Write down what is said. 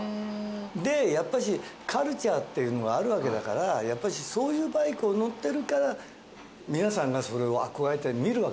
やっぱしカルチャーっていうのがあるわけだからやっぱしそういうバイクを乗ってるから皆さんがそれを憧れて見るわけでしょ。